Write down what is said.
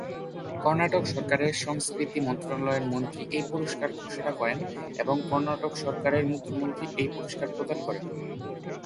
কর্ণাটক সরকারের সংস্কৃতি মন্ত্রণালয়ের মন্ত্রী এই পুরস্কার ঘোষণা করেন এবং কর্ণাটক সরকারের মুখ্যমন্ত্রী এই পুরস্কার প্রদান করেন।